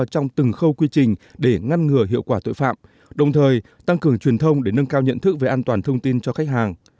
trong từng khâu quy trình để ngăn ngừa hiệu quả tội phạm đồng thời tăng cường truyền thông để nâng cao nhận thức về an toàn thông tin cho khách hàng